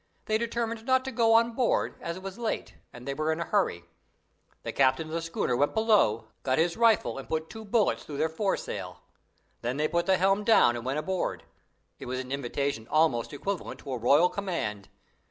They determined not to go on board, as it was late, and they were in a hurry. The captain of the schooner went below, got his rifle and put two bullets through their foresail. Then they put the helm down and went aboard; it was an invitation almost equivalent to a royal command.